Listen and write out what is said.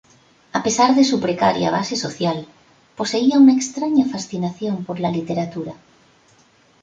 A pesar de su precaria base social, poseía una extraña fascinación por la literatura.